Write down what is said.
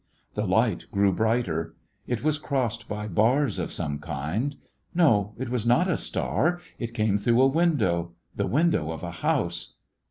The light grew brighter. It was crossed by bars of some kind. No, it was not a star, it came through a win dow, the window of a house.